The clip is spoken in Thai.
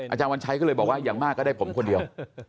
อาจารย์วันชัยก็เลยบอกว่าอย่างมากก็ได้ผมคนเดียว